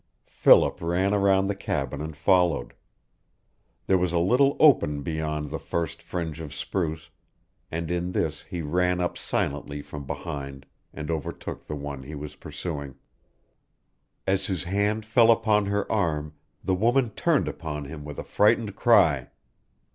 Philip ran around the cabin and followed. There was a little open beyond the first fringe of spruce, and in this he ran up silently from behind and overtook the one he was pursuing. As his hand fell upon her arm the woman turned upon him with a frightened cry.